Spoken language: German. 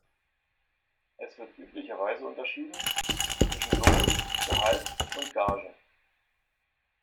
Es wird üblicherweise unterschieden zwischen Lohn, Gehalt und Gage.